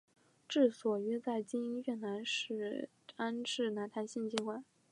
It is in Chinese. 治所约在今越南乂安省南坛县境内。